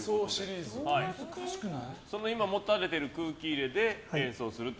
今、持たれている空気入れで演奏すると。